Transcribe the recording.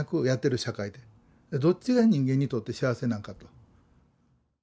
どっちが人間にとって幸せなんかと。